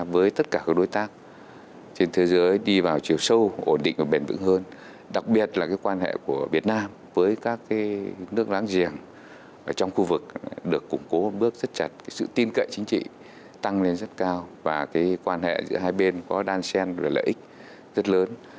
với các nước láng giềng trong khu vực được củng cố bước rất chặt sự tin cậy chính trị tăng lên rất cao và quan hệ giữa hai bên có đan xen và lợi ích rất lớn